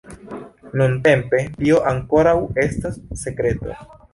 Nuntempe, tio ankoraŭ estas sekreto!